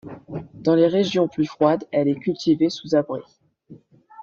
Dans les régions plus froides, elle est cultivée sous abris.